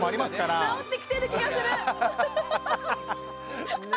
治ってきてる気がする。